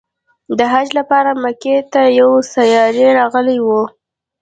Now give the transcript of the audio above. د حج لپاره مکې ته یو سارایي راغلی و.